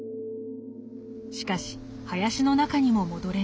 しかし林の中にも戻れない。